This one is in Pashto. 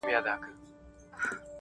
اورنګ زېب!